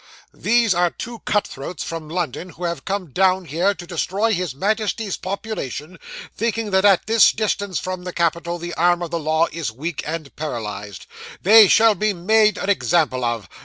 'These are two cut throats from London, who have come down here to destroy his Majesty's population, thinking that at this distance from the capital, the arm of the law is weak and paralysed. They shall be made an example of.